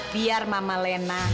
biar mama lena